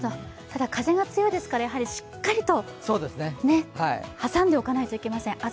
ただ風が強いですから、しっかりと挟んでおかなければいけません。